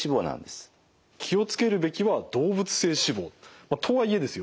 気を付けるべきは動物性脂肪。とはいえですよ